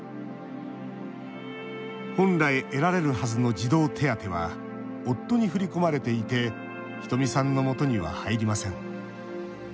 本来、得られるはずの児童手当は夫に振り込まれていてひとみさんの元には入りません。